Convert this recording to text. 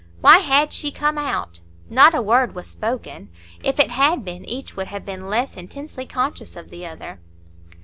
Why had she come out? Not a word was spoken. If it had been, each would have been less intensely conscious of the other.